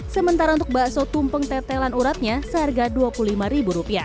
sementara untuk bakso tumpeng tetelan uratnya seharga rp dua puluh lima